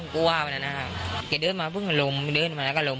แกเดินมาพึ่งลมแกเดินมาแล้วก็ลม